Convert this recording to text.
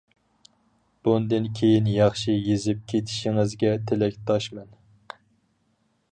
بۇندىن كېيىن ياخشى يېزىپ كېتىشىڭىزگە تىلەكداشمەن!